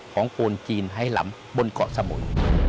ของโกลจีนไหล่หล่ำบนเกาะสมุย